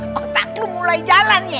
nah otak lu mulai jalan ye